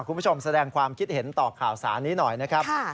คุณผู้ชมแสดงความคิดเห็นต่อข่าวสารนี้หน่อยนะครับ